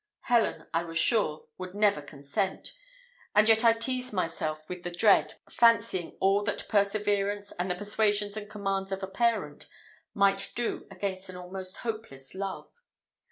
Helen, I was sure, would never consent; and yet I teased myself with the dread, fancying all that perseverance and the persuasions and commands of a parent might do against an almost hopeless love.